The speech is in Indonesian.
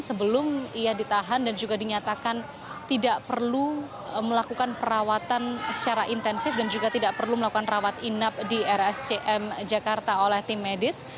sebelum ia ditahan dan juga dinyatakan tidak perlu melakukan perawatan secara intensif dan juga tidak perlu melakukan rawat inap di rscm jakarta oleh tim medis